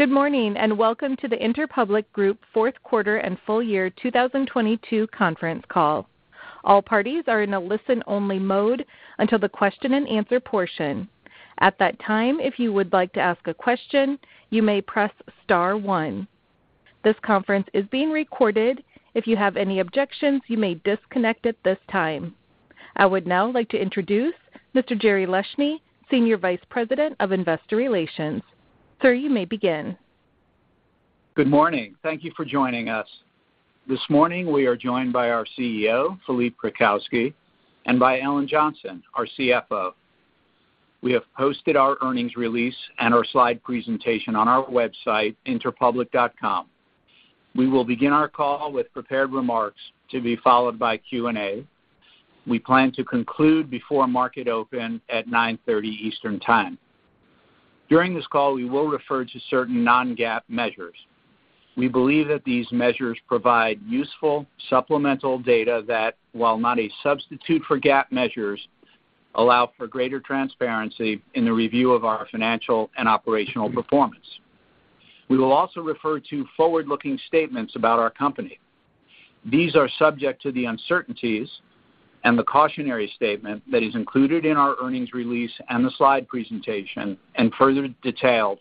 Good morning, welcome to the Interpublic Group fourth quarter and full year 2022 conference call. All parties are in a listen-only mode until the question-and-answer portion. At that time, if you would like to ask a question, you may press star one. This conference is being recorded. If you have any objections, you may disconnect at this time. I would now like to introduce Mr. Jerry Leshne, Senior Vice President of Investor Relations. Sir, you may begin. Good morning. Thank you for joining us. This morning, we are joined by our CEO, Philippe Krakowsky, and by Ellen Johnson, our CFO. We have posted our earnings release and our slide presentation on our website, interpublic.com. We will begin our call with prepared remarks to be followed by Q&A. We plan to conclude before market open at 9:30 A.M. Eastern Time. During this call, we will refer to certain Non-GAAP measures. We believe that these measures provide useful supplemental data that, while not a substitute for GAAP measures, allow for greater transparency in the review of our financial and operational performance. We will also refer to forward-looking statements about our company. These are subject to the uncertainties and the cautionary statement that is included in our earnings release and the slide presentation, and further detailed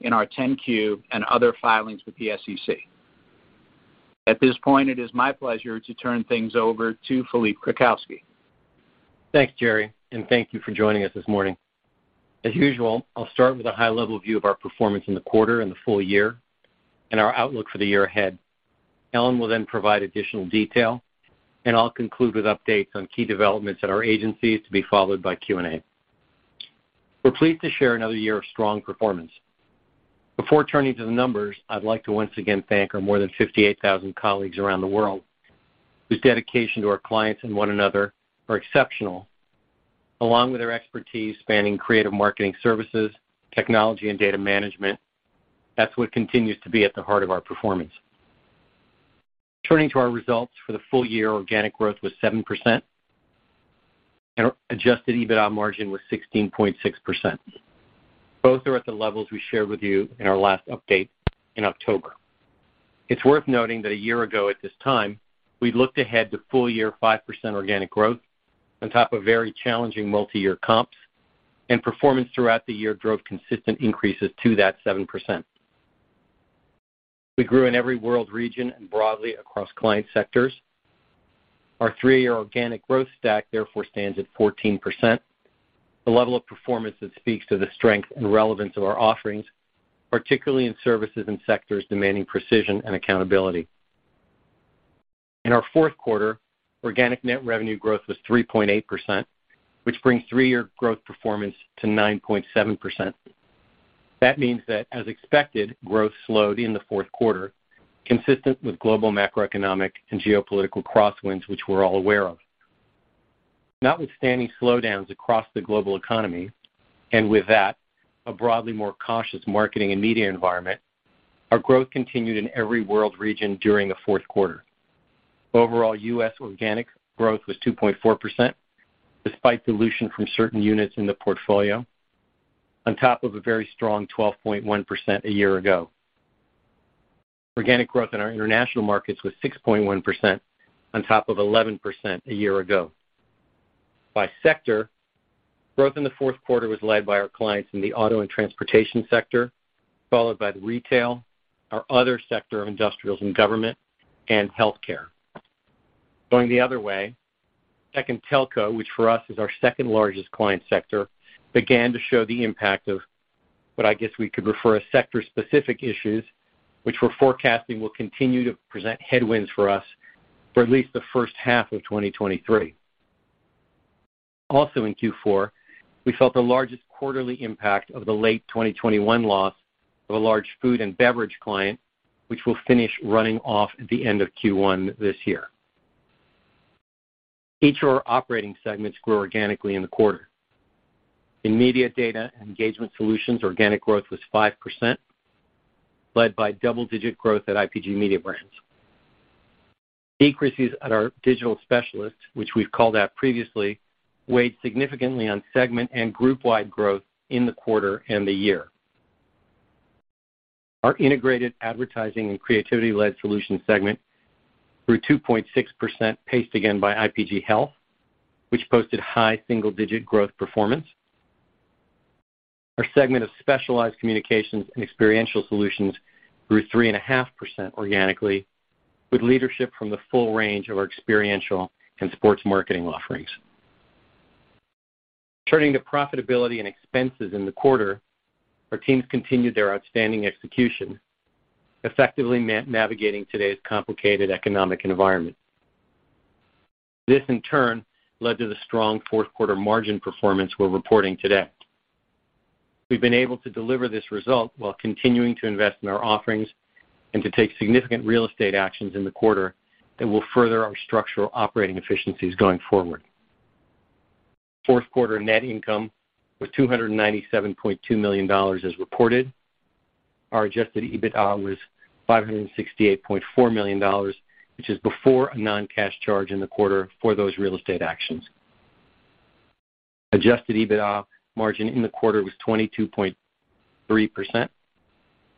in our 10-Q and other filings with the SEC. At this point, it is my pleasure to turn things over to Philippe Krakowsky. Thanks, Jerry, and thank you for joining us this morning. As usual, I'll start with a high-level view of our performance in the quarter and the full year and our outlook for the year ahead. Ellen will then provide additional detail, and I'll conclude with updates on key developments at our agencies, to be followed by Q&A. We're pleased to share another year of strong performance. Before turning to the numbers, I'd like to once again thank our more than 58,000 colleagues around the world, whose dedication to our clients and one another are exceptional. Along with their expertise spanning creative marketing services, technology, and data management, that's what continues to be at the heart of our performance. Turning to our results for the full year, organic growth was 7%, and our adjusted EBITDA margin was 16.6%. Both are at the levels we shared with you in our last update in October. It's worth noting that a year ago at this time, we looked ahead to full year 5% organic growth on top of very challenging multi-year comps, and performance throughout the year drove consistent increases to that 7%. We grew in every world region and broadly across client sectors. Our three-year organic growth stack therefore stands at 14%, a level of performance that speaks to the strength and relevance of our offerings, particularly in services and sectors demanding precision and accountability. In our fourth quarter, organic net revenue growth was 3.8%, which brings three-year growth performance to 9.7%. That means that, as expected, growth slowed in the fourth quarter, consistent with global macroeconomic and geopolitical crosswinds, which we're all aware of. Notwithstanding slowdowns across the global economy, with that, a broadly more cautious marketing and media environment, our growth continued in every world region during the fourth quarter. Overall, U.S. organic growth was 2.4%, despite dilution from certain units in the portfolio, on top of a very strong 12.1% a year ago. Organic growth in our international markets was 6.1% on top of 11% a year ago. By sector, growth in the fourth quarter was led by our clients in the auto and transportation sector, followed by the retail, our other sector of industrials and government, and healthcare. Going the other way, tech and telco, which for us is our second largest client sector, began to show the impact of what I guess we could refer as sector specific issues, which we're forecasting will continue to present headwinds for us for at least the first half of 2023. In Q4, we felt the largest quarterly impact of the late 2021 loss of a large food and beverage client, which will finish running off at the end of Q1 this year. Each of our operating segments grew organically in the quarter. In media data and engagement solutions, organic growth was 5%, led by double-digit growth at IPG Mediabrands. Decreases at our digital specialists, which we've called out previously, weighed significantly on segment and group-wide growth in the quarter and the year. Our integrated advertising and creativity-led solutions segment grew 2.6% paced again by IPG Health, which posted high single-digit growth performance. Our segment of Specialized Communications & Experiential Solutions grew 3.5% organically, with leadership from the full range of our experiential and sports marketing offerings. Turning to profitability and expenses in the quarter, our teams continued their outstanding execution, effectively navigating today's complicated economic environment. This in turn led to the strong fourth quarter margin performance we're reporting today. We've been able to deliver this result while continuing to invest in our offerings and to take significant real estate actions in the quarter that will further our structural operating efficiencies going forward. Fourth quarter net income was $297.2 million as reported. Our adjusted EBITDA was $568.4 million, which is before a non-cash charge in the quarter for those real estate actions. Adjusted EBITDA margin in the quarter was 22.3%,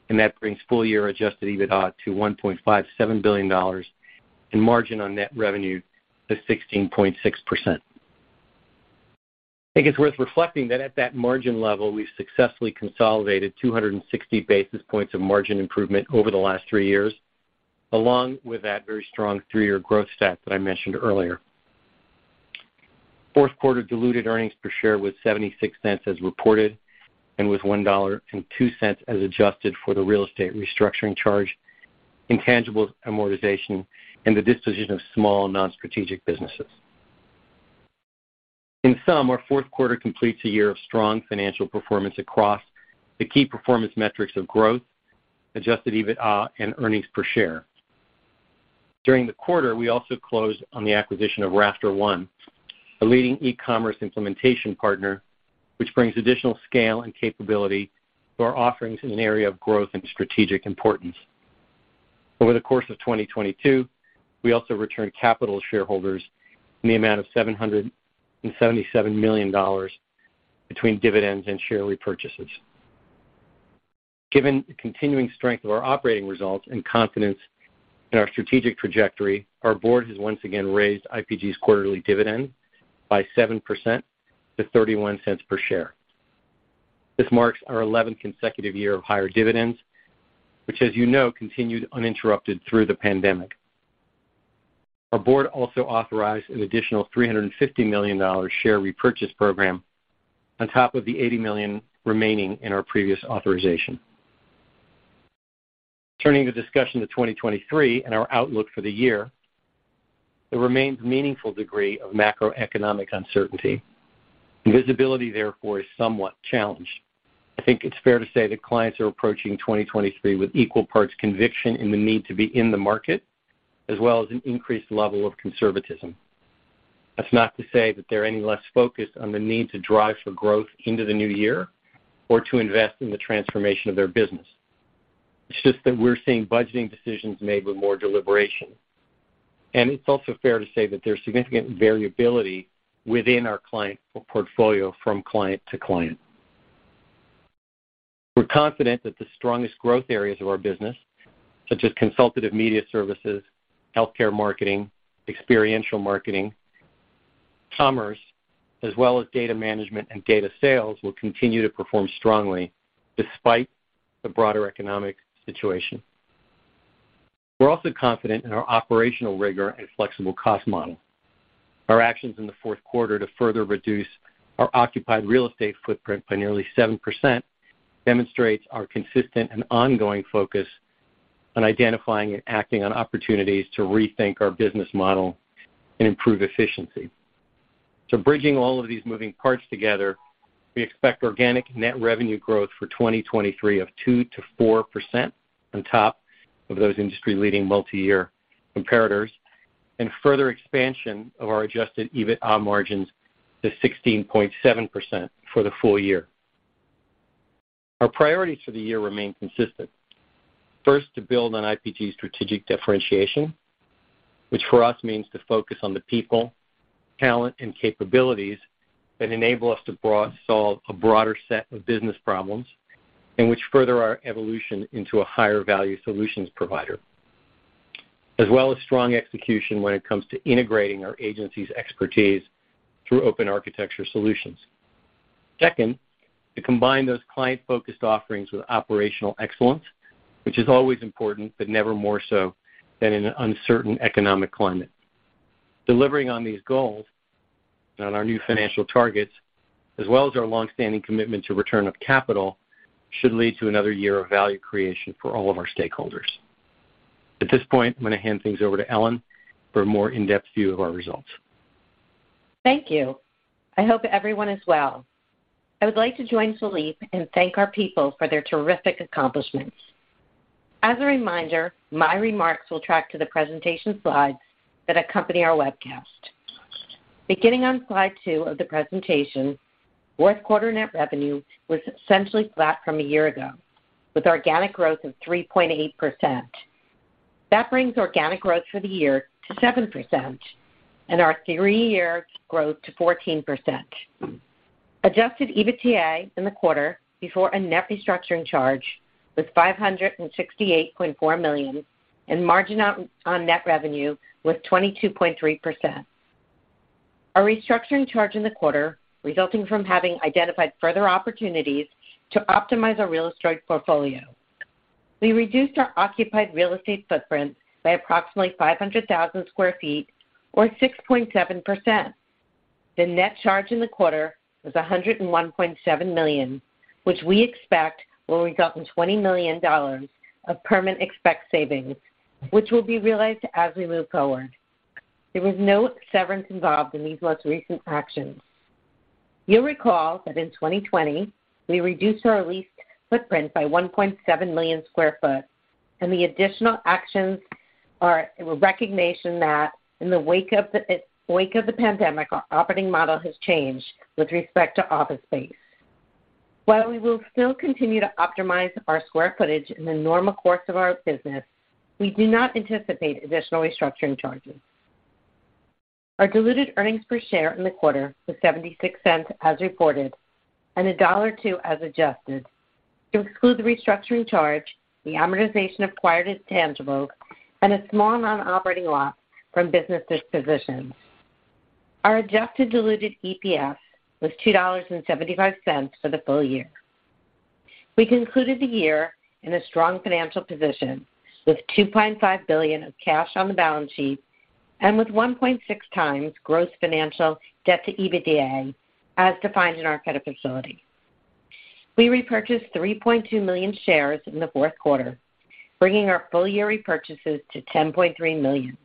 and that brings full year adjusted EBITDA to $1.57 billion, and margin on net revenue to 16.6%. I think it's worth reflecting that at that margin level, we've successfully consolidated 260 basis points of margin improvement over the last three years, along with that very strong three-year growth stat that I mentioned earlier. Fourth quarter diluted earnings per share was $0.76 as reported, and was $1.02 as adjusted for the real estate restructuring charge, intangible amortization, and the disposition of small non-strategic businesses. In sum, our fourth quarter completes a year of strong financial performance across the key performance metrics of growth, adjusted EBITDA and earnings per share. During the quarter, we also closed on the acquisition of RafterOne, a leading e-commerce implementation partner which brings additional scale and capability to our offerings in an area of growth and strategic importance. Over the course of 2022, we also returned capital to shareholders in the amount of $777 million between dividends and share repurchases. Given the continuing strength of our operating results and confidence in our strategic trajectory, our board has once again raised IPG's quarterly dividend by 7% to $0.31 per share. This marks our 11th consecutive year of higher dividends, which, as you know, continued uninterrupted through the pandemic. Our board also authorized an additional $350 million share repurchase program on top of the $80 million remaining in our previous authorization. Turning the discussion to 2023 and our outlook for the year, there remains a meaningful degree of macroeconomic uncertainty. Visibility, therefore, is somewhat challenged. I think it's fair to say that clients are approaching 2023 with equal parts conviction in the need to be in the market, as well as an increased level of conservatism. That's not to say that they're any less focused on the need to drive for growth into the new year or to invest in the transformation of their business. It's just that we're seeing budgeting decisions made with more deliberation. It's also fair to say that there's significant variability within our client portfolio from client to client. We're confident that the strongest growth areas of our business, such as consultative media services, healthcare marketing, experiential marketing, commerce, as well as data management and data sales, will continue to perform strongly despite the broader economic situation. We're also confident in our operational rigor and flexible cost model. Our actions in the fourth quarter to further reduce our occupied real estate footprint by nearly 7% demonstrates our consistent and ongoing focus on identifying and acting on opportunities to rethink our business model and improve efficiency. Bridging all of these moving parts together, we expect organic net revenue growth for 2023 of 2%-4% on top of those industry-leading multi-year comparators, and further expansion of our adjusted EBITDA margins to 16.7% for the full year. Our priorities for the year remain consistent. To build on IPG's strategic differentiation, which for us means to focus on the people, talent, and capabilities that enable us to solve a broader set of business problems and which further our evolution into a higher value solutions provider. Strong execution when it comes to integrating our agency's expertise through open architecture solutions. To combine those client-focused offerings with operational excellence, which is always important, but never more so than in an uncertain economic climate. Delivering on these goals and on our new financial targets, as well as our long-standing commitment to return of capital, should lead to another year of value creation for all of our stakeholders. At this point, I'm gonna hand things over to Ellen for a more in-depth view of our results. Thank you. I hope everyone is well. I would like to join Philippe and thank our people for their terrific accomplishments. As a reminder, my remarks will track to the presentation slides that accompany our webcast. Beginning on slide two of the presentation, fourth quarter net revenue was essentially flat from a year ago, with organic growth of 3.8%. That brings organic growth for the year to 7% and our three-year growth to 14%. Adjusted EBITDA in the quarter before a net restructuring charge was $568.4 million, and margin on net revenue was 22.3%. Our restructuring charge in the quarter resulting from having identified further opportunities to optimize our real estate portfolio. We reduced our occupied real estate footprint by approximately 500,000 sq ft or 6.7%. The net charge in the quarter was $101.7 million, which we expect will result in $20 million of permanent expense savings, which will be realized as we move forward. There was no severance involved in these most recent actions. You'll recall that in 2020 we reduced our leased footprint by 1.7 million sq ft. The additional actions are a recognition that in the wake of the pandemic, our operating model has changed with respect to office space. While we will still continue to optimize our square footage in the normal course of our business, we do not anticipate additional restructuring charges. Our diluted earnings per share in the quarter was $0.76 as reported, and $1.02 as adjusted to exclude the restructuring charge, the amortization of acquired intangibles, and a small non-operating loss from business dispositions. Our adjusted diluted EPS was $2.75 for the full year. We concluded the year in a strong financial position, with $2.5 billion of cash on the balance sheet and with 1.6x gross financial debt to EBITDA as defined in our credit facility. We repurchased 3.2 million shares in the fourth quarter, bringing our full year repurchases to 10.3 million,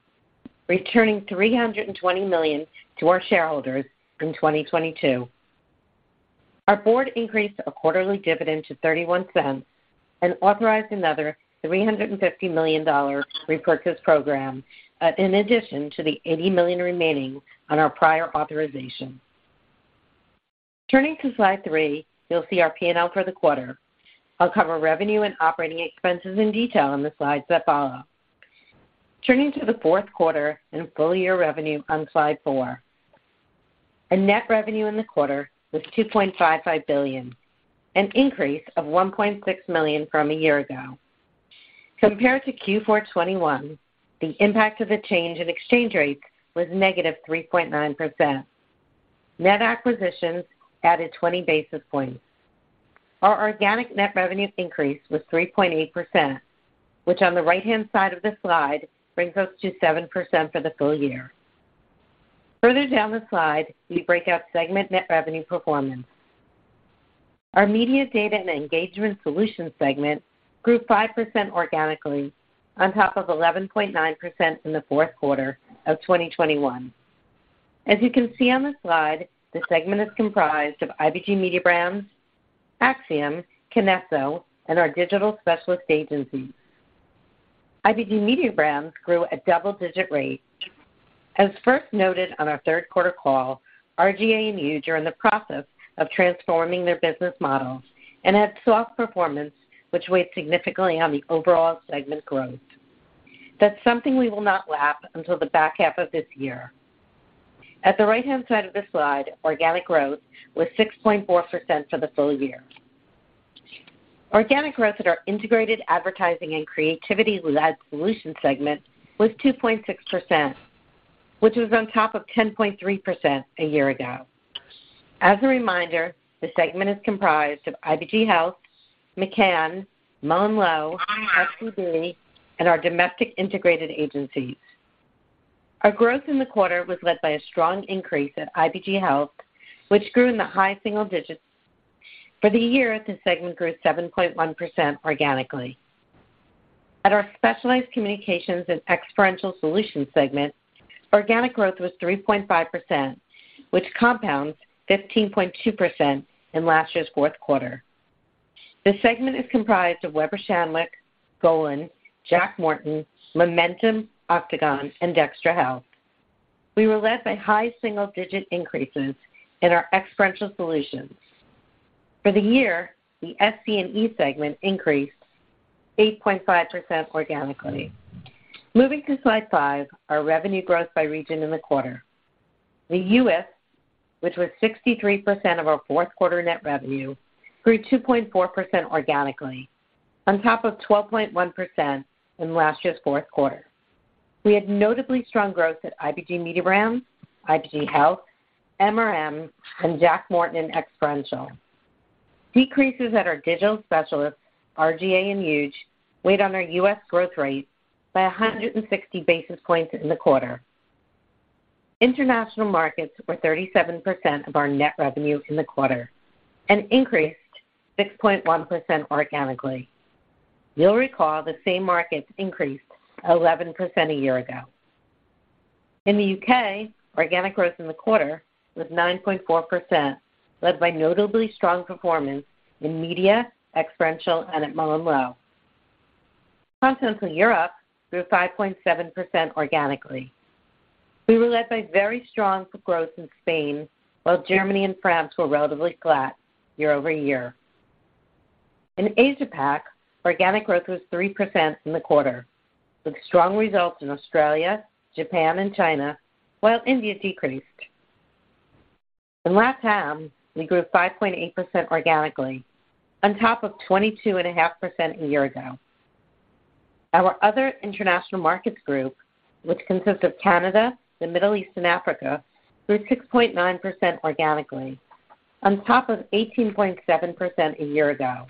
returning $320 million to our shareholders in 2022. Our board increased our quarterly dividend to $0.31 and authorized another $350 million repurchase program, in addition to the $80 million remaining on our prior authorization. Turning to slide three, you'll see our P&L for the quarter. I'll cover revenue and operating expenses in detail on the slides that follow. Turning to the fourth quarter and full year revenue on slide four. Our net revenue in the quarter was $2.55 billion, an increase of $1.6 million from a year ago. Compared to Q4 2021, the impact of the change in exchange rates was negative 3.9%. Net acquisitions added 20 basis points. Our organic net revenue increase was 3.8%, which on the right-hand side of the slide brings us to 7% for the full year. Further down the slide, we break out segment net revenue performance. Our Media, Data and Engagement Solutions segment grew 5% organically, on top of 11.9% in the fourth quarter of 2021. As you can see on the slide, the segment is comprised of IPG Mediabrands, Acxiom, Kinesso, and our digital specialist agencies. IPG Mediabrands grew at double-digit rates. As first noted on our 3rd quarter call, R/GA and Huge are in the process of transforming their business models and had soft performance, which weighed significantly on the overall segment growth. That's something we will not lap until the back half of this year. At the right-hand side of this slide, organic growth was 6.4% for the full year. Organic growth at our Integrated Advertising and Creativity-Led Solutions segment was 2.6%, which was on top of 10.3% one year ago. As a reminder, the segment is comprised of IPG Health, McCann, MullenLowe, FCB, and our domestic integrated agencies. Our growth in the quarter was led by a strong increase at IPG Health, which grew in the high single digits. For the year, the segment grew 7.1% organically. At our Specialized Communications and Experiential Solutions segment, organic growth was 3.5%, which compounds 15.2% in last year's fourth quarter. The segment is comprised of Weber Shandwick, Golin, Jack Morton, Momentum, Octagon, and Dextra Health. We were led by high single-digit increases in our Experiential Solutions. For the year, the SC&E segment increased 8.5% organically. Moving to slide five, our revenue growth by region in the quarter. The U.S., which was 63% of our fourth quarter net revenue, grew 2.4% organically, on top of 12.1% in last year's fourth quarter. We had notably strong growth at IPG Mediabrands, IPG Health, MRM, and Jack Morton and Experiential. Decreases at our digital specialists, R/GA and Huge, weighed on our U.S. growth rates by 160 basis points in the quarter. International markets were 37% of our net revenue in the quarter and increased 6.1% organically. You'll recall the same markets increased 11% a year ago. In the U.K., organic growth in the quarter was 9.4%, led by notably strong performance in media, experiential, and at MullenLowe. Continental Europe grew 5.7% organically. We were led by very strong growth in Spain, while Germany and France were relatively flat year-over-year. In Asia Pac, organic growth was 3% in the quarter, with strong results in Australia, Japan, and China, while India decreased. In LatAm, we grew 5.8% organically, on top of 22.5% a year ago. Our other international markets group, which consists of Canada, the Middle East, and Africa, grew 6.9% organically, on top of 18.7% a year ago,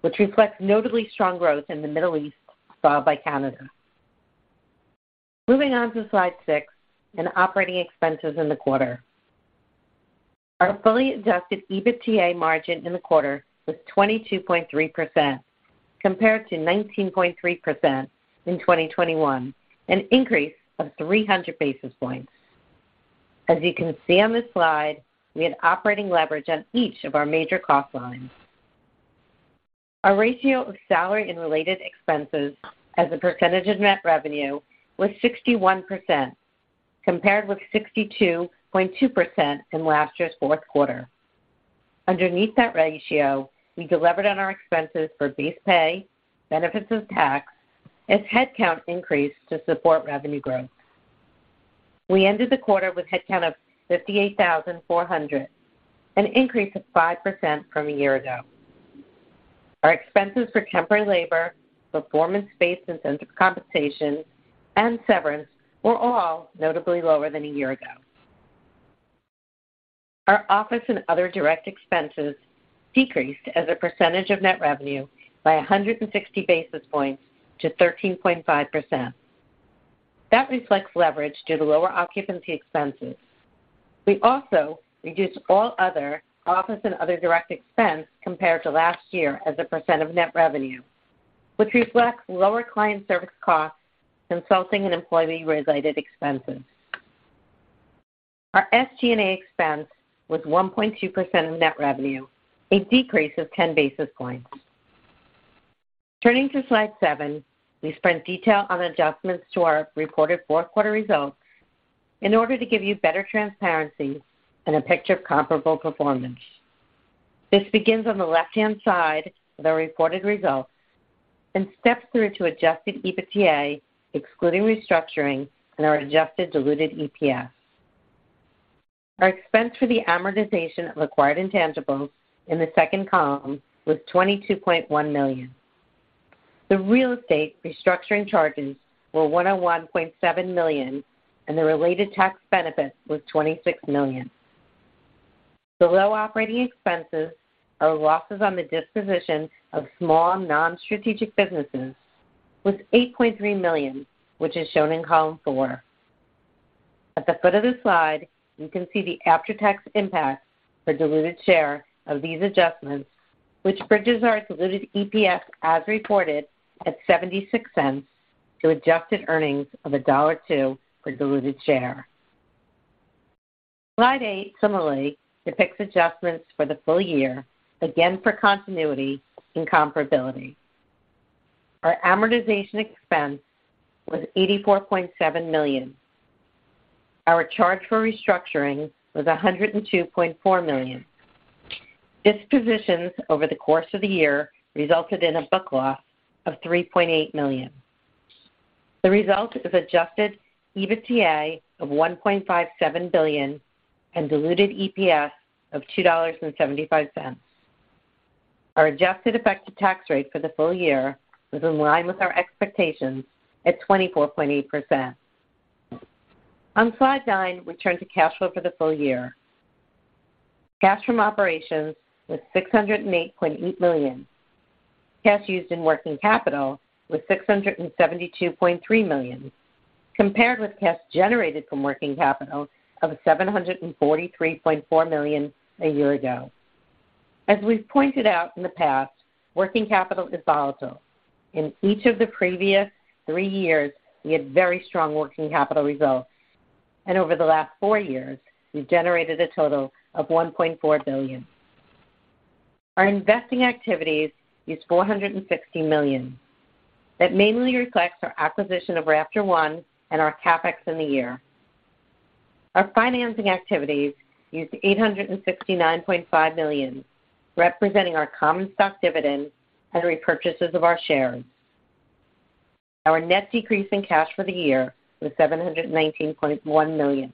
which reflects notably strong growth in the Middle East, followed by Canada. Moving on to slide six in operating expenses in the quarter. Our fully adjusted EBITDA margin in the quarter was 22.3% compared to 19.3% in 2021, an increase of 300 basis points. As you can see on this slide, we had operating leverage on each of our major cost lines. Our ratio of salary and related expenses as a percentage of net revenue was 61%, compared with 62.2% in last year's fourth quarter. Underneath that ratio, we delivered on our expenses for base pay, benefits and tax as headcount increased to support revenue growth. We ended the quarter with headcount of 58,400, an increase of 5% from a year ago. Our expenses for temporary labor, performance-based incentive compensation, and severance were all notably lower than a year ago. Our office and other direct expenses decreased as a percentage of net revenue by 160 basis points to 13.5%. That reflects leverage due to lower occupancy expenses. We also reduced all other office and other direct expense compared to last year as a % of net revenue, which reflects lower client service costs, consulting, and employee-related expenses. Our SG&A expense was 1.2% of net revenue, a decrease of 10 basis points. Turning to slide 7, we spread detail on adjustments to our reported fourth quarter results in order to give you better transparency and a picture of comparable performance. This begins on the left-hand side with our reported results and steps through to adjusted EBITDA, excluding restructuring and our adjusted diluted EPS. Our expense for the amortization of acquired intangibles in the second column was $22.1 million. The real estate restructuring charges were $101.7 million, and the related tax benefit was $26 million. The low operating expenses are losses on the disposition of small non-strategic businesses was $8.3 million, which is shown in column four. At the foot of the slide, you can see the after-tax impact for diluted share of these adjustments, which bridges our diluted EPS as reported at $0.76 to adjusted earnings of $1.02 for diluted share. Slide eight similarly depicts adjustments for the full year, again for continuity and comparability. Our amortization expense was $84.7 million. Our charge for restructuring was $102.4 million. Dispositions over the course of the year resulted in a book loss of $3.8 million. The result is adjusted EBITDA of $1.57 billion and diluted EPS of $2.75. Our adjusted effective tax rate for the full year was in line with our expectations at 24.8%. On Slide 9, we turn to cash flow for the full year. Cash from operations was $608.8 million. Cash used in working capital was $672.3 million, compared with cash generated from working capital of $743.4 million a year ago. As we've pointed out in the past, working capital is volatile. In each of the previous three years, we had very strong working capital results, and over the last four years, we've generated a total of $1.4 billion. Our investing activities used $460 million. That mainly reflects our acquisition of RafterOne and our CapEx in the year. Our financing activities used $869.5 million, representing our common stock dividend and repurchases of our shares. Our net decrease in cash for the year was $719.1 million.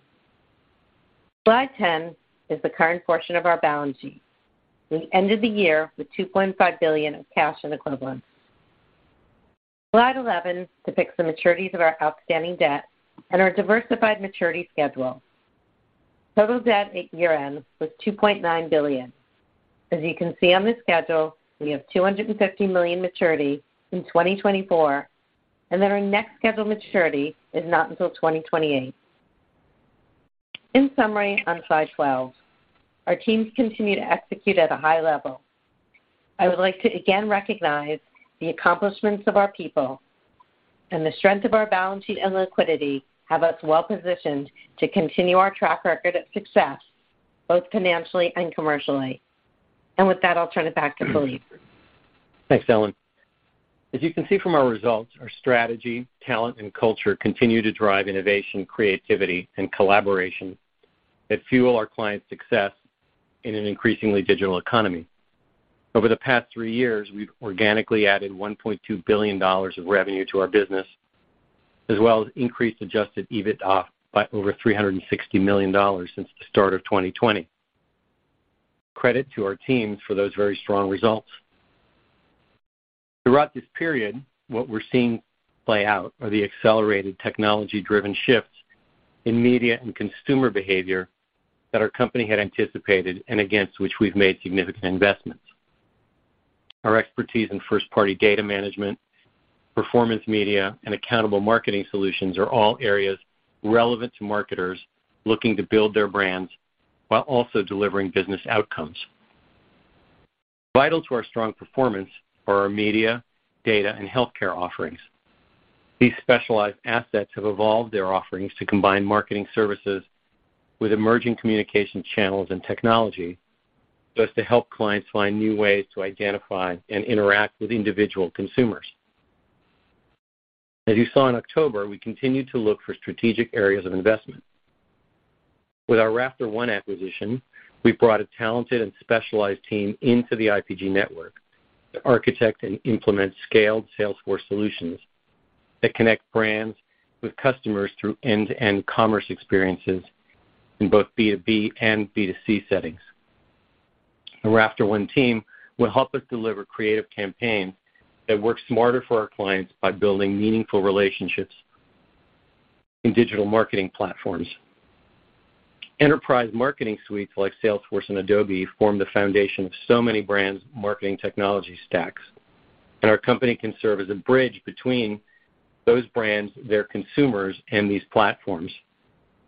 Slide 10 is the current portion of our balance sheet. We ended the year with $2.5 billion of cash and equivalents. Slide 11 depicts the maturities of our outstanding debt and our diversified maturity schedule. Total debt at year-end was $2.9 billion. As you can see on this schedule, we have $250 million maturity in 2024. Our next scheduled maturity is not until 2028. In summary, on slide 12, our teams continue to execute at a high level. I would like to again recognize the accomplishments of our people and the strength of our balance sheet and liquidity have us well positioned to continue our track record of success, both financially and commercially. With that, I'll turn it back to Philippe. Thanks, Ellen. As you can see from our results, our strategy, talent, and culture continue to drive innovation, creativity, and collaboration that fuel our clients' success in an increasingly digital economy. Over the past three years, we've organically added $1.2 billion of revenue to our business, as well as increased adjusted EBITDA by over $360 million since the start of 2020. Credit to our teams for those very strong results. Throughout this period, what we're seeing play out are the accelerated technology-driven shifts in media and consumer behavior that our company had anticipated and against which we've made significant investments. Our expertise in first-party data management, performance media, and accountable marketing solutions are all areas relevant to marketers looking to build their brands while also delivering business outcomes. Vital to our strong performance are our media, data, and healthcare offerings. These specialized assets have evolved their offerings to combine marketing services with emerging communication channels and technology so as to help clients find new ways to identify and interact with individual consumers. As you saw in October, we continued to look for strategic areas of investment. With our RafterOne acquisition, we brought a talented and specialized team into the IPG network to architect and implement scaled Salesforce solutions that connect brands with customers through end-to-end commerce experiences in both B2B and B2C settings. The RafterOne team will help us deliver creative campaigns that work smarter for our clients by building meaningful relationships in digital marketing platforms. Enterprise marketing suites like Salesforce and Adobe form the foundation of so many brands' marketing technology stacks, and our company can serve as a bridge between those brands, their consumers, and these platforms,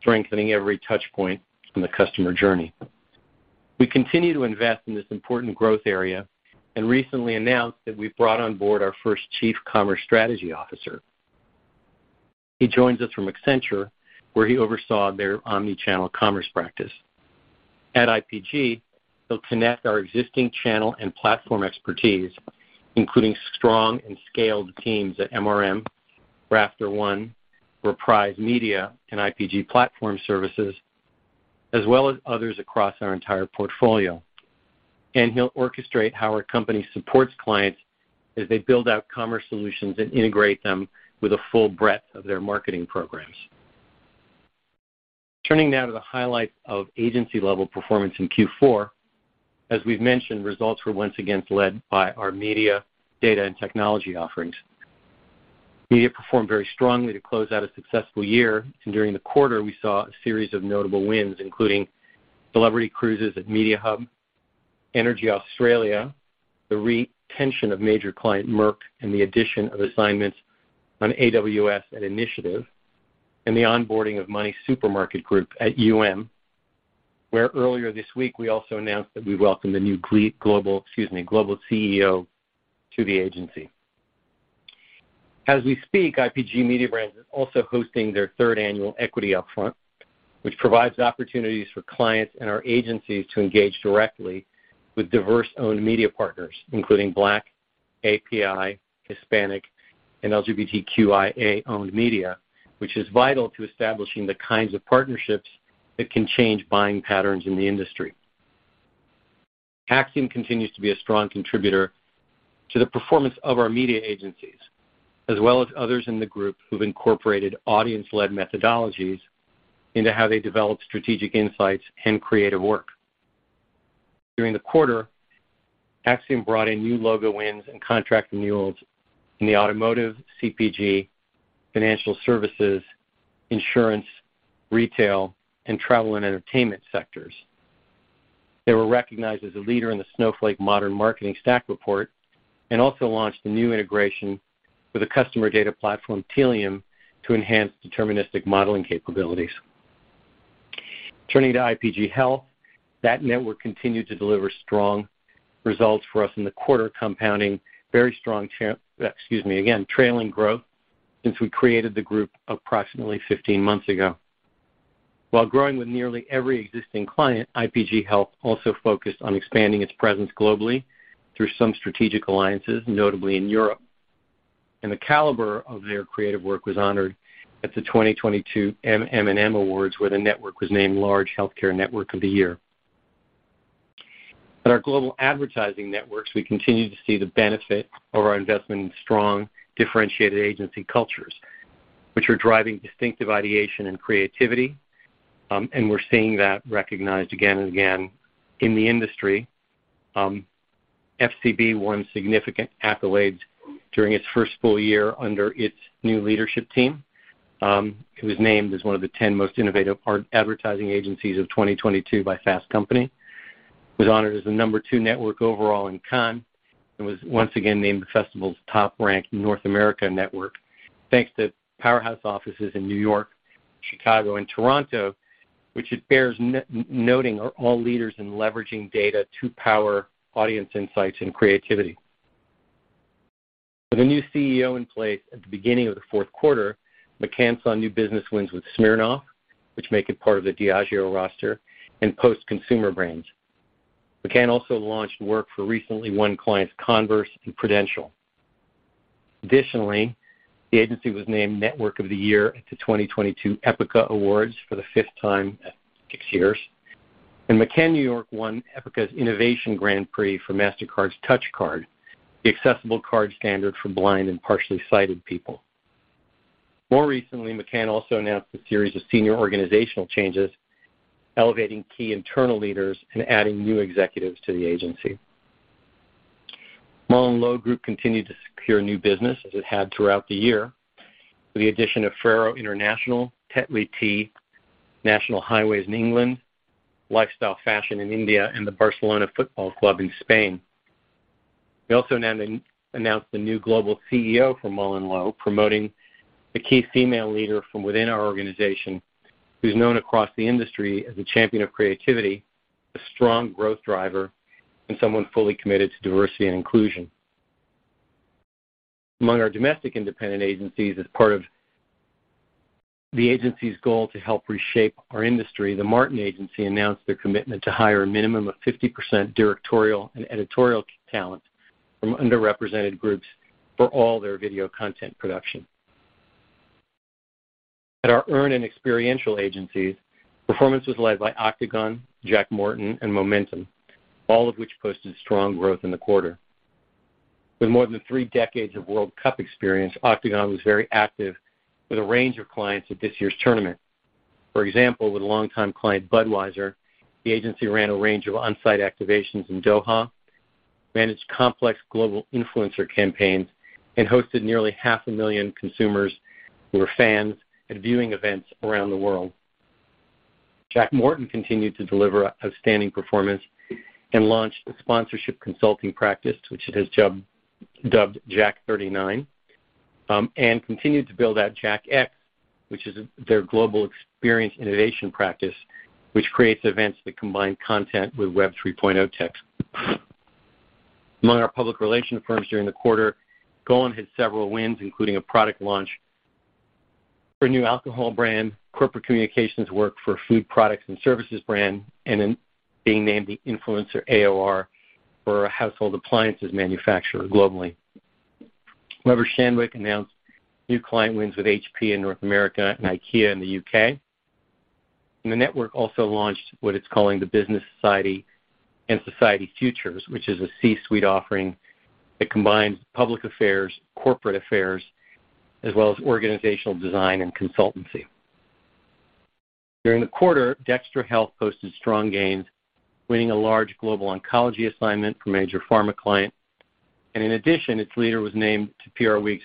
strengthening every touch point on the customer journey. We continue to invest in this important growth area and recently announced that we've brought on board our first chief commerce strategy officer. He joins us from Accenture, where he oversaw their omni-channel commerce practice. At IPG, he'll connect our existing channel and platform expertise, including strong and scaled teams at MRM, RafterOne, Reprise Media, and IPG Platform Services, as well as others across our entire portfolio. He'll orchestrate how our company supports clients as they build out commerce solutions and integrate them with the full breadth of their marketing programs. Turning now to the highlights of agency-level performance in Q4. As we've mentioned, results were once again led by our media data and technology offerings. Media performed very strongly to close out a successful year. During the quarter, we saw a series of notable wins, including Celebrity Cruises at Mediahub, Energy Australia, the retention of major client Merck, the addition of assignments on AWS at Initiative, and the onboarding of MoneySuperMarket Group at UM, where earlier this week, we also announced that we welcome the global CEO to the agency. As we speak, IPG Mediabrands is also hosting their third annual Equity Upfront, which provides opportunities for clients and our agencies to engage directly with diverse-owned media partners, including Black, API, Hispanic, and LGBTQIA-owned media, which is vital to establishing the kinds of partnerships that can change buying patterns in the industry. Acxiom continues to be a strong contributor to the performance of our media agencies, as well as others in the group who've incorporated audience-led methodologies into how they develop strategic insights and creative work. During the quarter, Acxiom brought in new logo wins and contract renewals in the automotive, CPG, financial services, insurance, retail, and travel and entertainment sectors. They were recognized as a leader in the Snowflake Modern Marketing Stack report and also launched a new integration with a customer data platform, Tealium, to enhance deterministic modeling capabilities. Turning to IPG Health, that network continued to deliver strong results for us in the quarter, compounding very strong trailing growth since we created the group approximately 15 months ago. While growing with nearly every existing client, IPG Health also focused on expanding its presence globally through some strategic alliances, notably in Europe. The caliber of their creative work was honored at the 2022 MM+M Awards, where the network was named Large Healthcare Network of the Year. At our global advertising networks, we continue to see the benefit of our investment in strong, differentiated agency cultures, which are driving distinctive ideation and creativity, and we're seeing that recognized again and again in the industry. FCB won significant accolades during its first full year under its new leadership team, it was named as one of the 10 most innovative advertising agencies of 2022 by Fast Company. It was honored as the number two network overall in Cannes and was once again named the festival's top-ranked North America network, thanks to powerhouse offices in New York, Chicago, and Toronto, which it bears noting are all leaders in leveraging data to power audience insights and creativity. With a new CEO in place at the beginning of the fourth quarter, McCann saw new business wins with Smirnoff, which make it part of the Diageo roster and Post Consumer Brands. McCann also launched work for recently won clients Converse and Prudential. Additionally, the agency was named Network of the Year at the 2022 Epica Awards for the fifth time in six years. McCann New York won Epica's Innovation Grand Prix for Mastercard's Touch Card, the accessible card standard for blind and partially sighted people. More recently, McCann also announced a series of senior organizational changes, elevating key internal leaders and adding new executives to the agency. MullenLowe Group continued to secure new business as it had throughout the year, with the addition of Ferrero International, Tetley Tea, National Highways in England, Lifestyle Fashion in India, and the Barcelona Football Club in Spain. We also announced a new global CEO for MullenLowe, promoting a key female leader from within our organization who's known across the industry as a champion of creativity, a strong growth driver. Someone fully committed to diversity and inclusion. Among our domestic independent agencies, as part of the agency's goal to help reshape our industry, The Martin Agency announced their commitment to hire a minimum of 50% directorial and editorial talent from underrepresented groups for all their video content production. At our earn and experiential agencies, performance was led by Octagon, Jack Morton, and Momentum, all of which posted strong growth in the quarter. With more than three decades of World Cup experience, Octagon was very active with a range of clients at this year's tournament. For example, with longtime client Budweiser, the agency ran a range of on-site activations in Doha, managed complex global influencer campaigns, and hosted nearly half a million consumers who were fans at viewing events around the world. Jack Morton continued to deliver outstanding performance and launched a sponsorship consulting practice, which it has dubbed Jack 39, and continued to build out Jack X, which is their global experience innovation practice, which creates events that combine content with Web 3.0 techs. Among our public relations firms during the quarter, Golin had several wins, including a product launch for a new alcohol brand, corporate communications work for a food products and services brand, and in being named the influencer AOR for a household appliances manufacturer globally. Weber Shandwick announced new client wins with HP in North America and IKEA in the U.K. The network also launched what it's calling the Business Society and Society Futures, which is a C-suite offering that combines public affairs, corporate affairs, as well as organizational design and consultancy. During the quarter, Dextra Health posted strong gains, winning a large global oncology assignment for a major pharma client. In addition, its leader was named to PRWeek's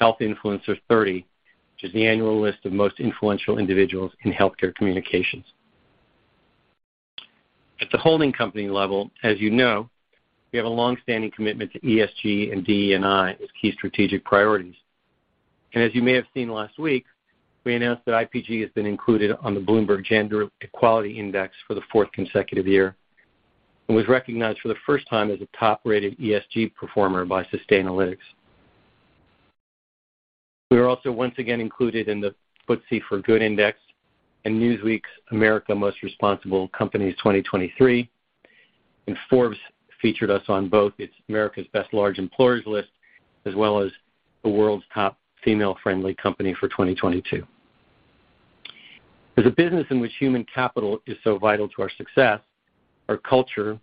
Health Influencers 30, which is the annual list of most influential individuals in healthcare communications. At the holding company level, as you know, we have a long-standing commitment to ESG and DE&I as key strategic priorities. As you may have seen last week, we announced that IPG has been included on the Bloomberg Gender-Equality Index for the fourth consecutive year and was recognized for the first time as a top-rated ESG performer by Sustainalytics. We were also once again included in the FTSE4Good Index and Newsweek's America's Most Responsible Companies 2023. Forbes featured us on both its America's Best Large Employers list, as well as the World's Top Female-Friendly Company for 2022. As a business in which human capital is so vital to our success, our culture,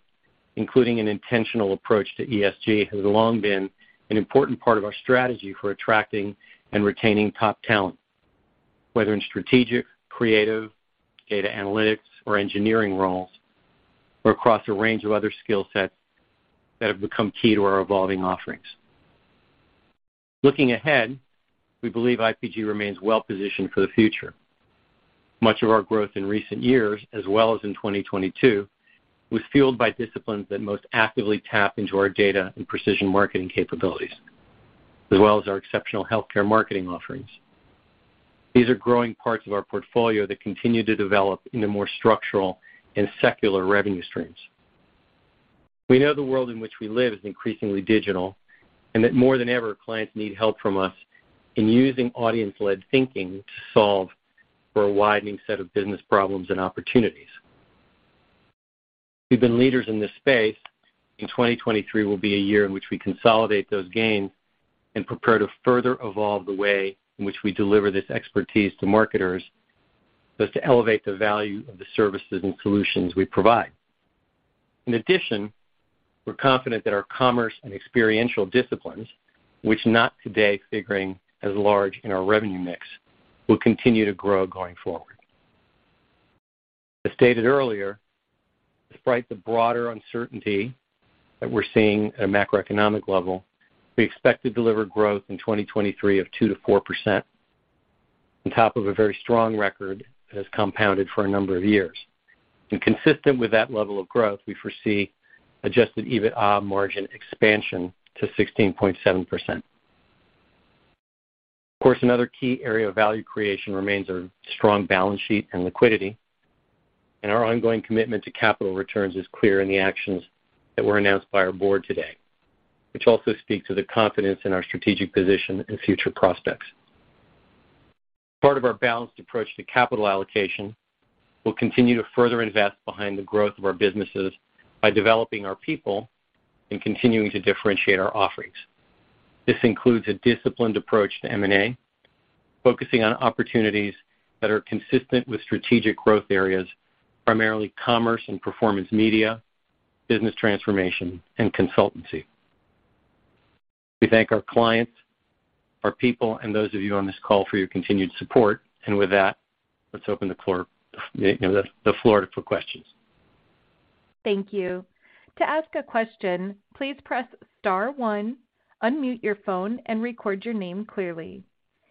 including an intentional approach to ESG, has long been an important part of our strategy for attracting and retaining top talent, whether in strategic, creative, data analytics, or engineering roles, or across a range of other skill sets that have become key to our evolving offerings. Looking ahead, we believe IPG remains well positioned for the future. Much of our growth in recent years, as well as in 2022, was fueled by disciplines that most actively tap into our data and precision marketing capabilities, as well as our exceptional healthcare marketing offerings. These are growing parts of our portfolio that continue to develop into more structural and secular revenue streams. We know the world in which we live is increasingly digital and that more than ever, clients need help from us in using audience-led thinking to solve for a widening set of business problems and opportunities. We've been leaders in this space. Twenty twenty-three will be a year in which we consolidate those gains and prepare to further evolve the way in which we deliver this expertise to marketers, so as to elevate the value of the services and solutions we provide. In addition, we're confident that our commerce and experiential disciplines, which not today figuring as large in our revenue mix, will continue to grow going forward. As stated earlier, despite the broader uncertainty that we're seeing at a macroeconomic level, we expect to deliver growth in 2023 of 2%-4%, on top of a very strong record that has compounded for a number of years. Consistent with that level of growth, we foresee adjusted EBITA margin expansion to 16.7%. Of course, another key area of value creation remains our strong balance sheet and liquidity. Our ongoing commitment to capital returns is clear in the actions that were announced by our board today, which also speaks to the confidence in our strategic position and future prospects. Part of our balanced approach to capital allocation, we'll continue to further invest behind the growth of our businesses by developing our people and continuing to differentiate our offerings. This includes a disciplined approach to M&A, focusing on opportunities that are consistent with strategic growth areas, primarily commerce and performance media, business transformation, and consultancy. We thank our clients, our people, and those of you on this call for your continued support. With that, let's open the floor, you know, for questions. Thank you. To ask a question, please press star one, unmute your phone, and record your name clearly.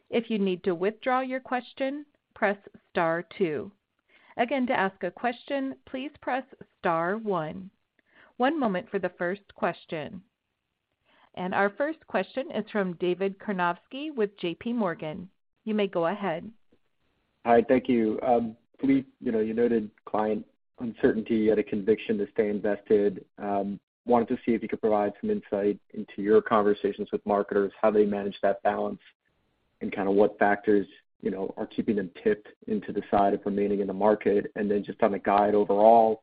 If you need to withdraw your question, press star two. Again, to ask a question, please press star one. One moment for the first question. Our first question is from David Karnovsky with JPMorgan. You may go ahead. Hi. Thank you. Philippe, you know, you noted client uncertainty at a conviction to stay invested. wanted to see if you could provide some insight into your conversations with marketers, how they manage that balance, and kind of what factors, you know, are keeping them tipped into the side of remaining in the market. Just on the guide overall,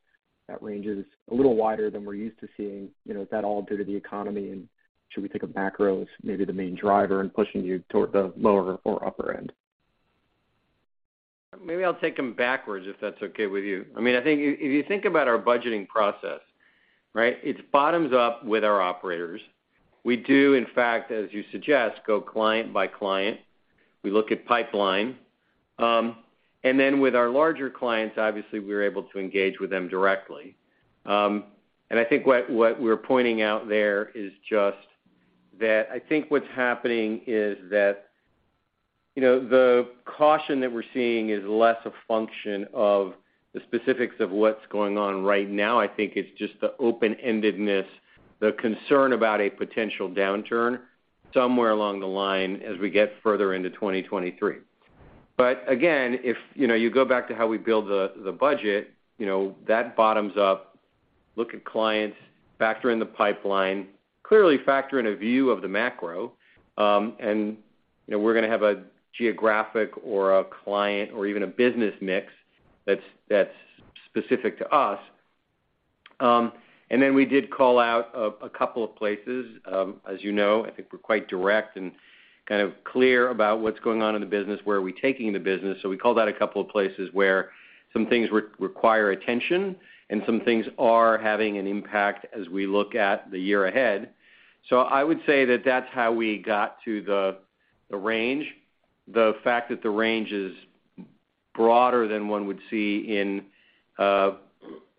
that range is a little wider than we're used to seeing. You know, is that all due to the economy? Should we think of macro as maybe the main driver in pushing you toward the lower or upper end? Maybe I'll take them backwards, if that's okay with you. I mean, I think if you think about our budgeting process, right? It's bottoms up with our operators. We do, in fact, as you suggest, go client by client. We look at pipeline. Then with our larger clients, obviously we're able to engage with them directly. I think what we're pointing out there is just that I think what's happening is that, you know, the caution that we're seeing is less a function of the specifics of what's going on right now. I think it's just the open-endedness, the concern about a potential downturn somewhere along the line as we get further into 2023. Again, if, you know, you go back to how we build the budget, you know, that bottoms up look at clients, factor in the pipeline, clearly factor in a view of the macro. You know, we're gonna have a geographic or a client or even a business mix that's specific to us. Then we did call out a couple of places. As you know, I think we're quite direct and kind of clear about what's going on in the business, where are we taking the business. We called out a couple of places where some things require attention and some things are having an impact as we look at the year ahead. I would say that that's how we got to the range. The fact that the range is broader than one would see in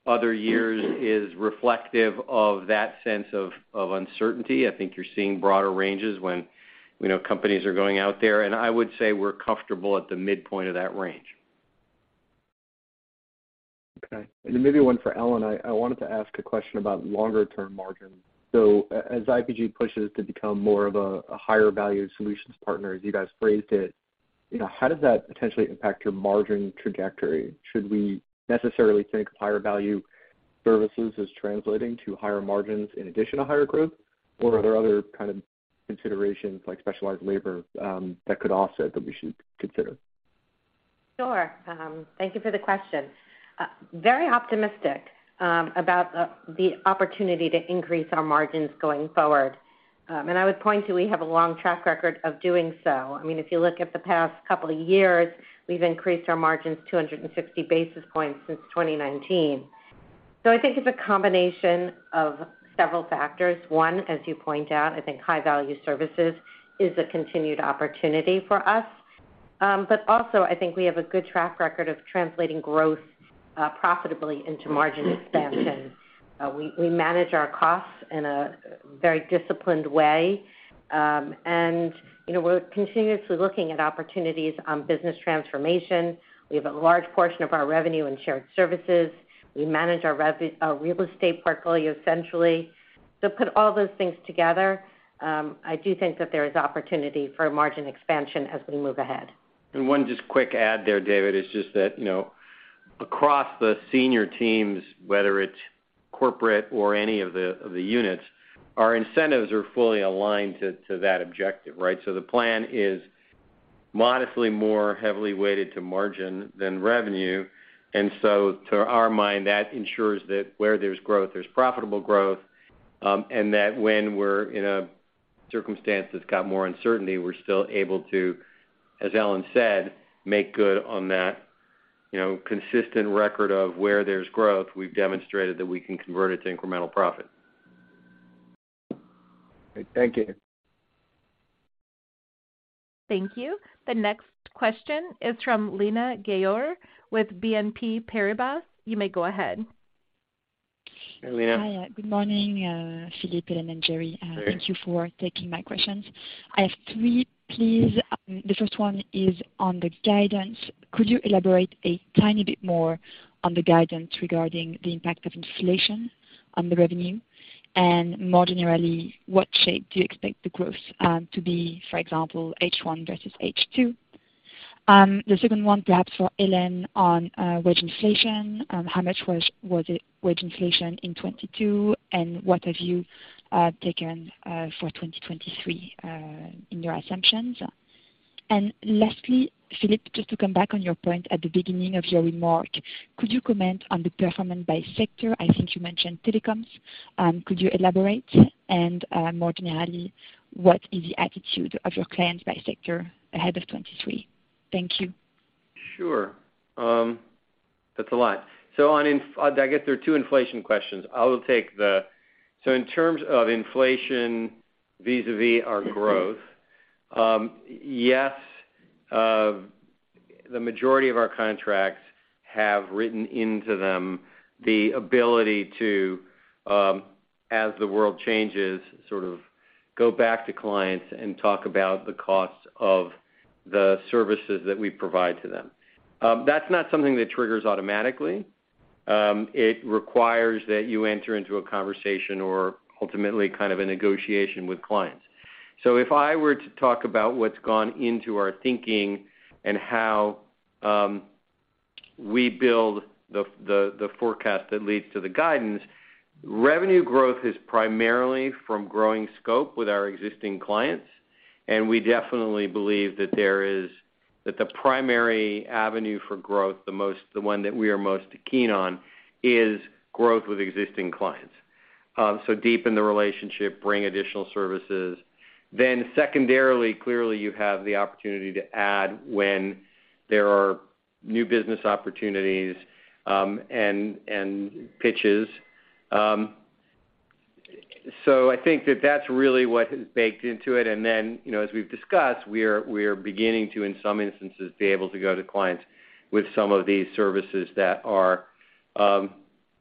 other years is reflective of that sense of uncertainty. I think you're seeing broader ranges when, you know, companies are going out there, and I would say we're comfortable at the midpoint of that range. Okay. Then maybe one for Ellen. I wanted to ask a question about longer term margins. As IPG pushes to become more of a higher value solutions partner, as you guys phrased it, you know, how does that potentially impact your margin trajectory? Should we necessarily think of higher value services as translating to higher margins in addition to higher growth? Or are there other kind of considerations like specialized labor that could offset that we should consider? Sure. Thank you for the question. Very optimistic about the opportunity to increase our margins going forward. I would point to, we have a long track record of doing so. I mean, if you look at the past couple of years, we've increased our margins 260 basis points since 2019. I think it's a combination of several factors. One, as you point out, I think high value services is a continued opportunity for us. Also I think we have a good track record of translating growth profitably into margin expansion. We manage our costs in a very disciplined way, and, you know, we're continuously looking at opportunities on business transformation. We have a large portion of our revenue in shared services. We manage our real estate portfolio centrally. Put all those things together, I do think that there is opportunity for margin expansion as we move ahead. One just quick add there, David, is just that, you know, across the senior teams, whether it's corporate or any of the units, our incentives are fully aligned to that objective, right? The plan is modestly more heavily weighted to margin than revenue. To our mind, that ensures that where there's growth, there's profitable growth, and that when we're in a circumstance that's got more uncertainty, we're still able to, as Ellen said, make good on that, you know, consistent record of where there's growth, we've demonstrated that we can convert it to incremental profit. Thank you. Thank you. The next question is from Lina Ghayor with BNP Paribas. You may go ahead. Hey, Lina. Hi. Good morning, Philippe, Ellen, and Jerry. Hey. Thank you for taking my questions. I have 3, please. The first one is on the guidance. Could you elaborate a tiny bit more on the guidance regarding the impact of inflation on the revenue? More generally, what shape do you expect the growth to be, for example, H1 versus H2? The second one perhaps for Ellen on wage inflation. How much was it wage inflation in 2022? What have you taken for 2023 in your assumptions? Lastly, Philippe, just to come back on your point at the beginning of your remark, could you comment on the performance by sector? I think you mentioned telecoms. Could you elaborate? More generally, what is the attitude of your clients by sector ahead of 2023? Thank you. Sure. That's a lot. I guess there are two inflation questions. I will take the... in terms of inflation vis-à-vis our growth, yes, the majority of our contracts have written into them the ability to, as the world changes, sort of go back to clients and talk about the costs of the services that we provide to them. That's not something that triggers automatically. It requires that you enter into a conversation or ultimately kind of a negotiation with clients. If I were to talk about what's gone into our thinking and how we build the forecast that leads to the guidance, revenue growth is primarily from growing scope with our existing clients, and we definitely believe that there is that the primary avenue for growth, the one that we are most keen on, is growth with existing clients. Deepen the relationship, bring additional services. Secondarily, clearly you have the opportunity to add when there are new business opportunities, and pitches. I think that that's really what is baked into it. You know, as we've discussed, we are beginning to, in some instances, be able to go to clients with some of these services that are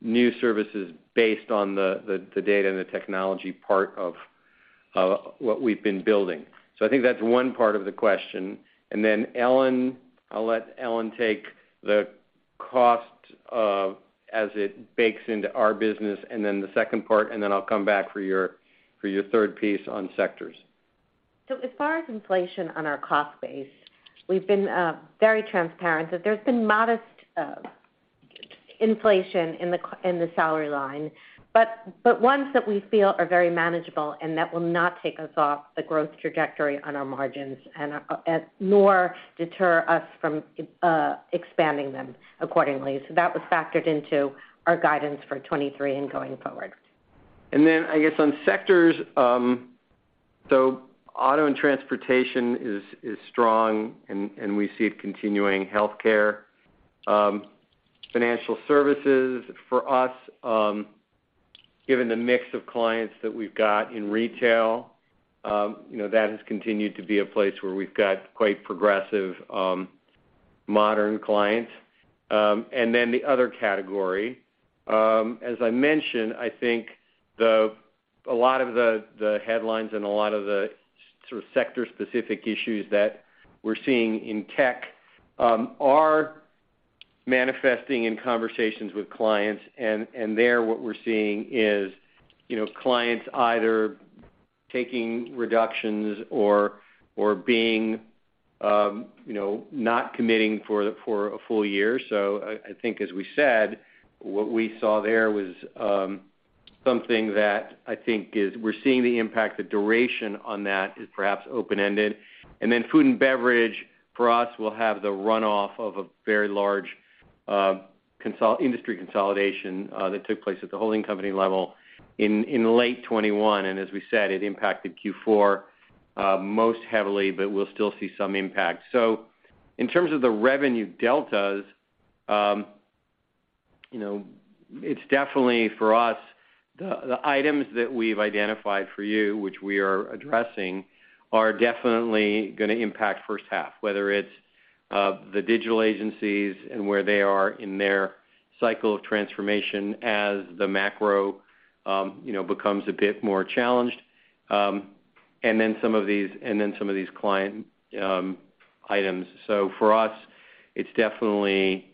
new services based on the data and the technology part of what we've been building. I think that's one part of the question. Ellen, I'll let Ellen take the cost of as it bakes into our business and then the second part, and then I'll come back for your third piece on sectors. As far as inflation on our cost base, we've been very transparent that there's been modest inflation in the salary line, but ones that we feel are very manageable and that will not take us off the growth trajectory on our margins and nor deter us from expanding them accordingly. That was factored into our guidance for 23 and going forward. I guess on sectors, auto and transportation is strong and we see it continuing. Healthcare, financial services for us, given the mix of clients that we've got in retail, you know, that has continued to be a place where we've got quite progressive, modern clients. The other category, as I mentioned, I think a lot of the headlines and a lot of the sort of sector-specific issues that we're seeing in tech are manifesting in conversations with clients. There what we're seeing is, you know, clients either taking reductions or being, you know, not committing for a full year. I think as we said, what we saw there was something that I think is we're seeing the impact, the duration on that is perhaps open-ended. Food and beverage for us will have the runoff of a very large industry consolidation that took place at the holding company level in late 2021. As we said, it impacted Q4 most heavily, but we'll still see some impact. In terms of the revenue deltas, you know, it's definitely for us, the items that we've identified for you, which we are addressing, are definitely gonna impact first half, whether it's the digital agencies and where they are in their cycle of transformation as the macro, you know, becomes a bit more challenged, and then some of these client items. For us, it's definitely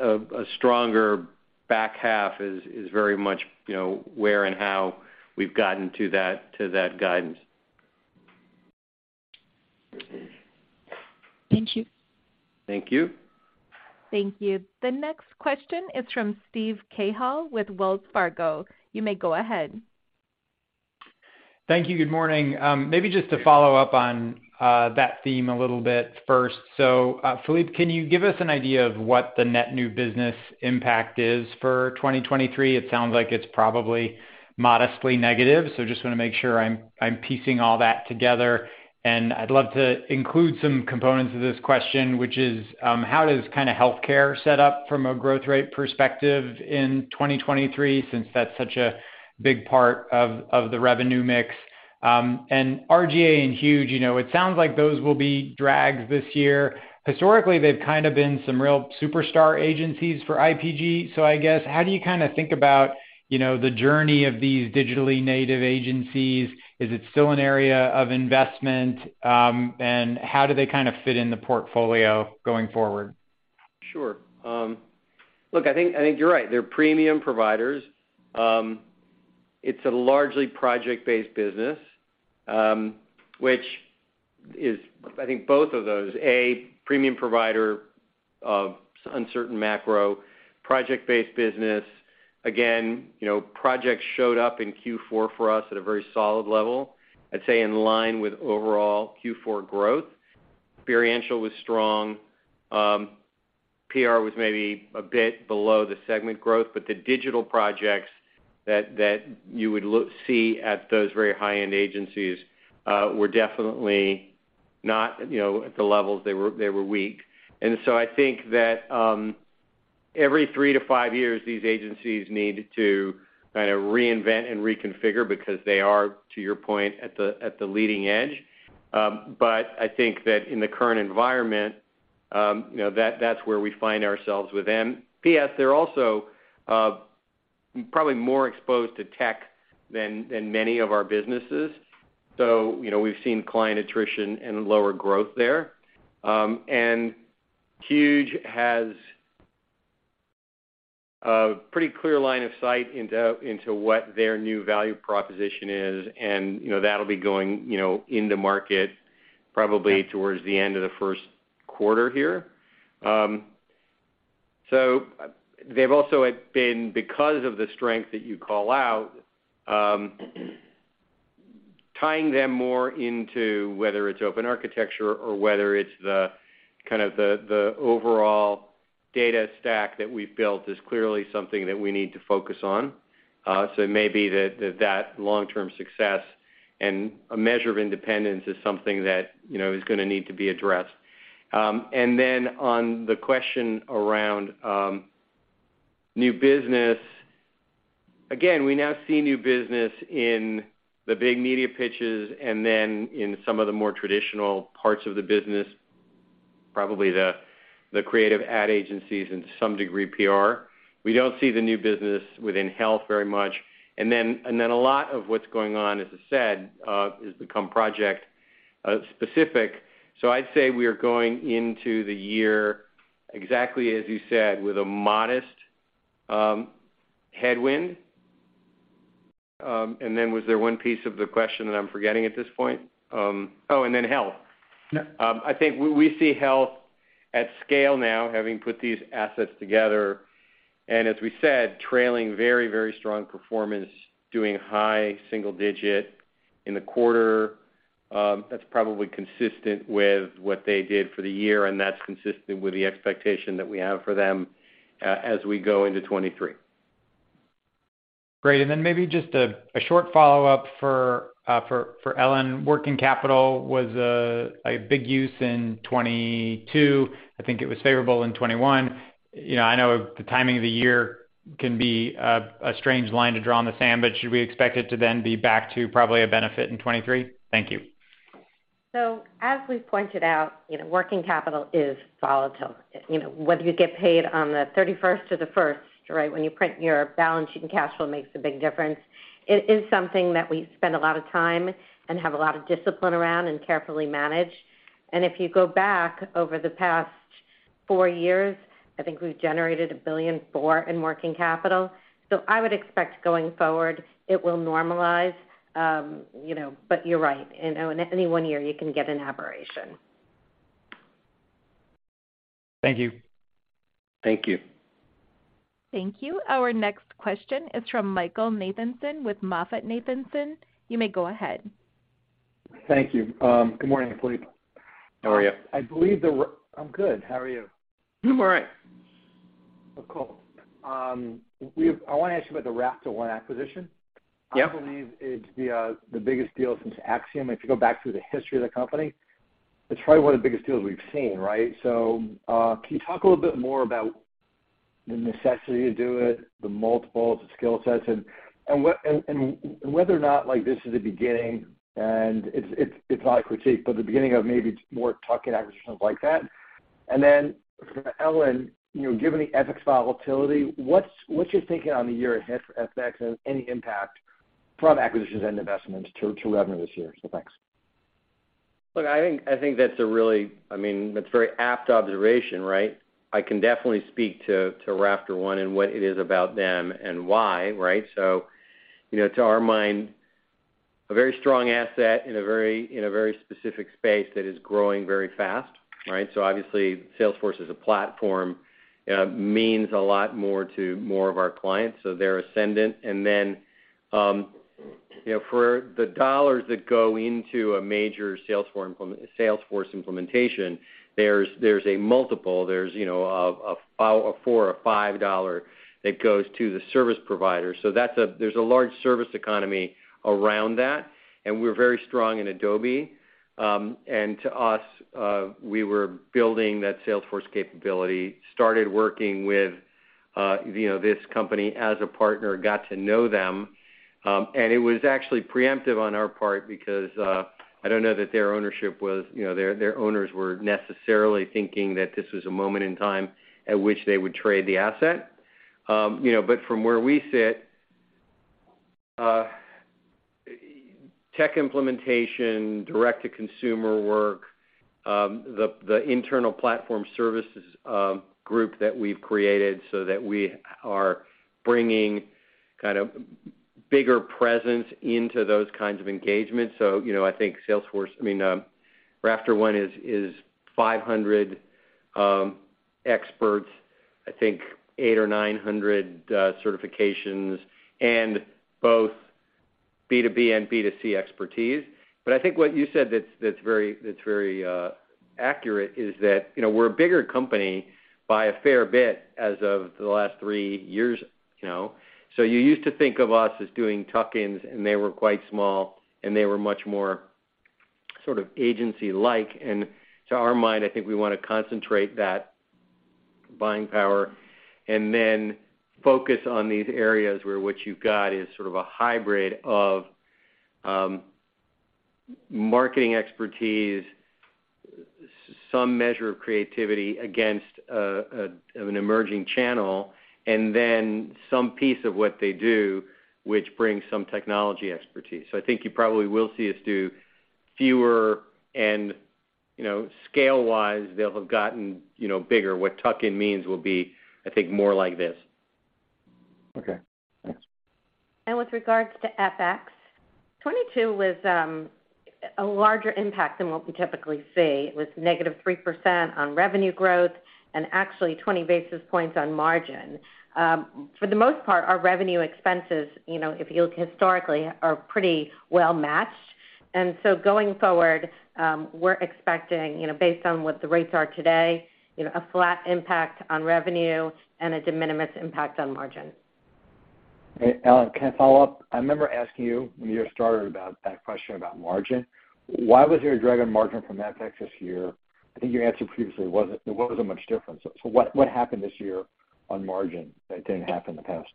a stronger back half is very much, you know, where and how we've gotten to that guidance. Thank you. Thank you. Thank you. The next question is from Steven Cahall with Wells Fargo. You may go ahead. Thank you. Good morning. Maybe just to follow up on that theme a little bit first. Philippe, can you give us an idea of what the net new business impact is for 2023? It sounds like it's probably modestly negative, just wanna make sure I'm piecing all that together. I'd love to include some components of this question, which is, how does kind of healthcare set up from a growth rate perspective in 2023 since that's such a big part of the revenue mix? RGA and Huge, you know, it sounds like those will be drags this year. Historically, they've kind of been some real superstar agencies for IPG. I guess, how do you kind of think about, you know, the journey of these digitally native agencies? Is it still an area of investment? How do they kind of fit in the portfolio going forward? Sure. Look, I think, I think you're right. They're premium providers. It's a largely project-based business, which is, I think both of those, A, premium provider of uncertain macro project-based business. Again, you know, projects showed up in Q4 for us at a very solid level. I'd say in line with overall Q4 growth. Experiential was strong. PR was maybe a bit below the segment growth, but the digital projects that you would see at those very high-end agencies, were definitely not, you know, at the levels they were weak. I think that, every 3-5 years, these agencies need to kind of reinvent and reconfigure because they are, to your point, at the leading edge. I think that in the current environment, you know, that's where we find ourselves with them. PS, they're also Probably more exposed to tech than many of our businesses. You know, we've seen client attrition and lower growth there. Huge has a pretty clear line of sight into what their new value proposition is, and, you know, that'll be going, you know, in the market probably towards the end of the first quarter here. They've also had been, because of the strength that you call out, tying them more into whether it's open architecture or whether it's the kind of the overall data stack that we've built is clearly something that we need to focus on. It may be that long-term success and a measure of independence is something that, you know, is gonna need to be addressed. On the question around new business, again, we now see new business in the big media pitches and then in some of the more traditional parts of the business, probably the creative ad agencies and to some degree PR. We don't see the new business within health very much. A lot of what's going on, as I said, has become project specific. I'd say we are going into the year, exactly as you said, with a modest headwind. Was there one piece of the question that I'm forgetting at this point? Oh, and then health. Yeah. I think we see health at scale now, having put these assets together. As we said, trailing very, very strong performance, doing high single-digit in the quarter. That's probably consistent with what they did for the year. That's consistent with the expectation that we have for them, as we go into 2023. Great. Maybe just a short follow-up for Ellen. Working capital was a big use in 2022. I think it was favorable in 2021. You know, I know the timing of the year can be a strange line to draw in the sand, but should we expect it to then be back to probably a benefit in 2023? Thank you. As we've pointed out, you know, working capital is volatile. You know, whether you get paid on the 31st or the 1st, right, when you print your balance sheet and cash flow makes a big difference. It is something that we spend a lot of time and have a lot of discipline around and carefully manage. If you go back over the past four years, I think we've generated $1.4 billion in working capital. I would expect going forward it will normalize. You know, you're right. In any one year, you can get an aberration. Thank you. Thank you. Thank you. Our next question is from Michael Nathanson with MoffettNathanson. You may go ahead. Thank you. Good morning, Philippe. How are you? I'm good. How are you? I'm all right. Cool. I wanna ask you about the RafterOne acquisition. Yeah. I believe it's the biggest deal since Acxiom. If you go back through the history of the company, it's probably one of the biggest deals we've seen, right? Can you talk a little bit more about the necessity to do it, the multiples, the skill sets, and whether or not like this is the beginning, and it's probably a critique, but the beginning of maybe more tuck-in acquisitions like that. For Ellen, you know, given the FX volatility, what's your thinking on the year ahead for FX and any impact from acquisitions and investments to revenue this year? Thanks. Look, I think that's a really, I mean, that's a very apt observation, right? I can definitely speak to RafterOne and what it is about them and why, right? you know, to our mind, a very strong asset in a very specific space that is growing very fast, right? obviously, Salesforce as a platform means a lot more to more of our clients, so they're ascendant. you know, for the dollars that go into a major Salesforce implementation, there's a multiple, there's, you know, a $4 or $5 that goes to the service provider. there's a large service economy around that, and we're very strong in Adobe. To us, we were building that Salesforce capability, started working with, you know, this company as a partner, got to know them. It was actually preemptive on our part because I don't know that their ownership was, you know, their owners were necessarily thinking that this was a moment in time at which they would trade the asset. You know, from where we sit, tech implementation, direct-to-consumer work, the internal platform services group that we've created so that we are bringing kind of bigger presence into those kinds of engagements. You know, I think Salesforce... I mean, RafterOne is 500 experts, I think 800 or 900 certifications and both B2B and B2C expertise. I think what you said that's very accurate is that, you know, we're a bigger company by a fair bit as of the last three years, you know. You used to think of us as doing tuck-ins, and they were quite small, and they were much more sort of agency-like. To our mind, I think we wanna concentrate that buying power and then focus on these areas where what you've got is sort of a hybrid of marketing expertise. Some measure of creativity against an emerging channel and then some piece of what they do, which brings some technology expertise. I think you probably will see us do fewer and, you know, scale-wise, they'll have gotten, you know, bigger. What tuck-in means will be, I think, more like this. Okay. Thanks. With regards to FX, 2022 was a larger impact than what we typically see with -3% on revenue growth and actually 20 basis points on margin. For the most part, our revenue expenses, you know, if you look historically, are pretty well matched. Going forward, we're expecting, you know, based on what the rates are today, you know, a flat impact on revenue and a de minimis impact on margin. Ellen, can I follow up? I remember asking you when you started about that question about margin. Why was there a drag on margin from FX this year? I think you answered previously there wasn't much difference. What happened this year on margin that didn't happen in the past?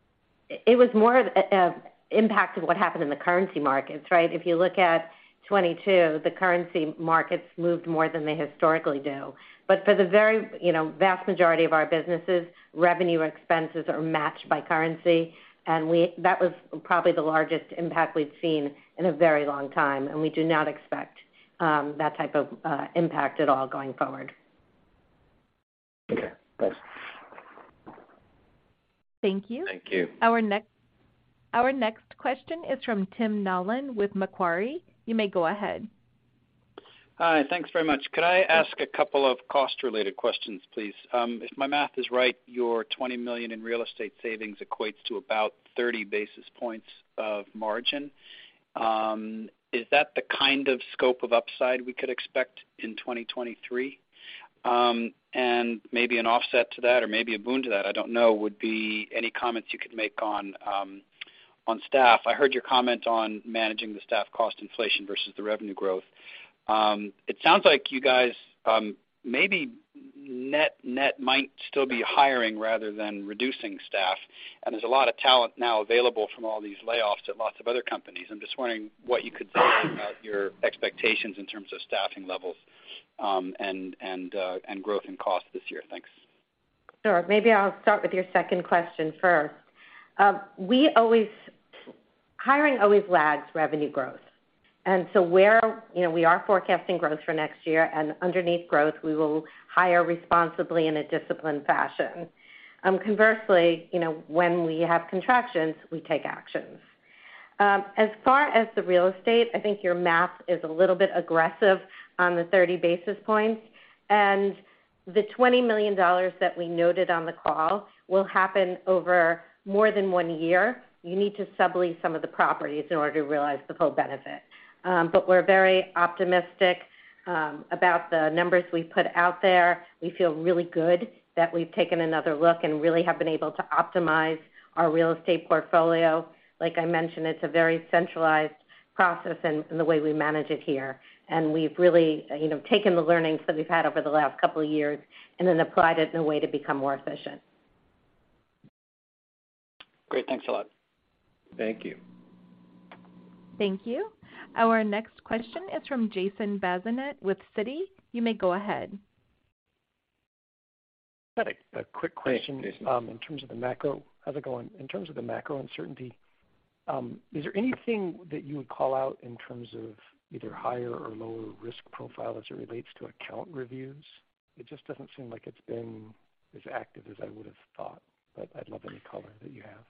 It was more of a impact of what happened in the currency markets, right? If you look at 22, the currency markets moved more than they historically do. For the very, you know, vast majority of our businesses, revenue expenses are matched by currency. That was probably the largest impact we've seen in a very long time, and we do not expect that type of impact at all going forward. Okay. Thanks. Thank you. Thank you. Our next question is from Tim Nollen with Macquarie. You may go ahead. Hi. Thanks very much. Could I ask a couple of cost-related questions, please? If my math is right, your $20 million in real estate savings equates to about 30 basis points of margin. Is that the kind of scope of upside we could expect in 2023? Maybe an offset to that or maybe a boon to that, I don't know, would be any comments you could make on staff. I heard your comment on managing the staff cost inflation versus the revenue growth. It sounds like you guys, maybe net might still be hiring rather than reducing staff, and there's a lot of talent now available from all these layoffs at lots of other companies. I'm just wondering what you could say about your expectations in terms of staffing levels and growth in cost this year. Thanks. Sure. Maybe I'll start with your second question first. Hiring always lags revenue growth. You know, we are forecasting growth for next year, and underneath growth, we will hire responsibly in a disciplined fashion. Conversely, you know, when we have contractions, we take actions. As far as the real estate, I think your math is a little bit aggressive on the 30 basis points. The $20 million that we noted on the call will happen over more than one year. You need to sublease some of the properties in order to realize the full benefit. We're very optimistic about the numbers we put out there. We feel really good that we've taken another look and really have been able to optimize our real estate portfolio. I mentioned, it's a very centralized process in the way we manage it here, and we've really, you know, taken the learnings that we've had over the last couple of years and then applied it in a way to become more efficient. Great. Thanks a lot. Thank you. Thank you. Our next question is from Jason Bazinet with Citi. You may go ahead. Got a quick question. Hey, Jason. In terms of the macro. How's it going? In terms of the macro uncertainty, is there anything that you would call out in terms of either higher or lower risk profile as it relates to account reviews? It just doesn't seem like it's been as active as I would have thought, but I'd love any color that you have.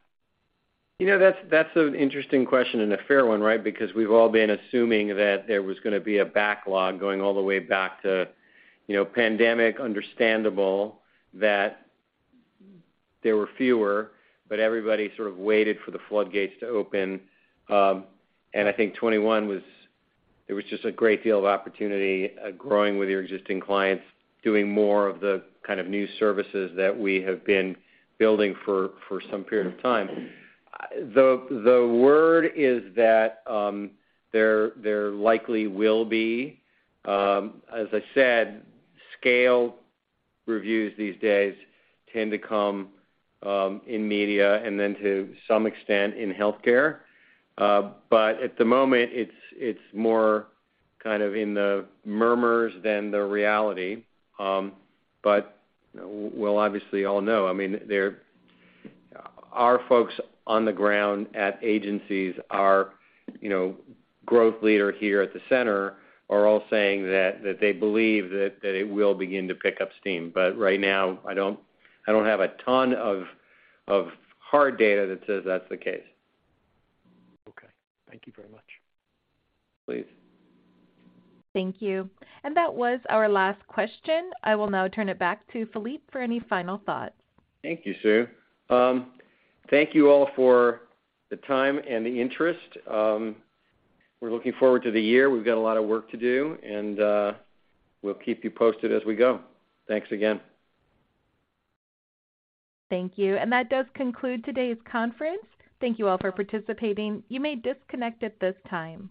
You know, that's an interesting question and a fair one, right? We've all been assuming that there was gonna be a backlog going all the way back to, you know, pandemic, understandable that there were fewer, but everybody sort of waited for the floodgates to open. I think 2021 there was just a great deal of opportunity, growing with your existing clients, doing more of the kind of new services that we have been building for some period of time. The word is that there likely will be, as I said, scale reviews these days tend to come in media and then to some extent in healthcare. At the moment, it's more kind of in the murmurs than the reality. We'll obviously all know. I mean, our folks on the ground at agencies, our, you know, growth leader here at the center are all saying that they believe that it will begin to pick up steam. Right now, I don't have a ton of hard data that says that's the case. Okay. Thank you very much. Please. Thank you. That was our last question. I will now turn it back to Philippe for any final thoughts. Thank you, Sue. Thank you all for the time and the interest. We're looking forward to the year. We've got a lot of work to do. We'll keep you posted as we go. Thanks again. Thank you. That does conclude today's conference. Thank you all for participating. You may disconnect at this time.